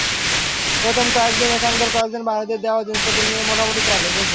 প্রথম কয়েক দিন এখানকার কয়েকজন বাঙালিদের দেওয়া জিনিসপত্র দিয়ে মোটামুটি চলে গেছে।